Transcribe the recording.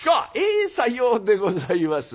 「ええさようでございます」。